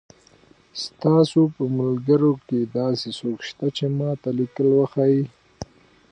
ستا په ملګرو کښې داسې څوک شته چې ما ته ليکل وښايي